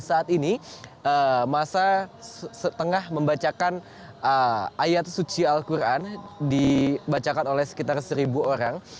saat ini masa setengah membacakan ayat suci al quran dibacakan oleh sekitar seribu orang